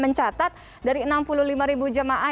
mencatat dari enam puluh lima ribu jemaah